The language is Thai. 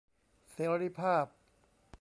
เสรีภาพ